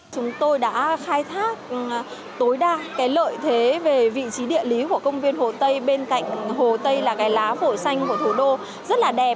chúng tôi đã khai thác tối đa cái lợi thế về vị trí địa lý của công viên hồ tây bên cạnh hồ tây là cái lá phổi xanh của thủ đô rất là đẹp